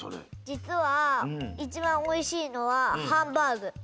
じつは１ばんおいしいのはハンバーグ。